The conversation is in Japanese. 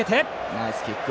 ナイスキック。